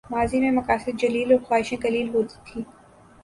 ماضی میں مقاصد جلیل اور خواہشیں قلیل ہوتی تھیں۔